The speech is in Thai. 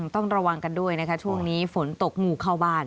ต้องระวังกันด้วยนะคะช่วงนี้ฝนตกงูเข้าบ้าน